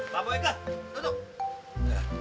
pak boyka tutup